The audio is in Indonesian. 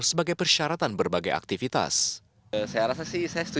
semua biar gak berbeda sih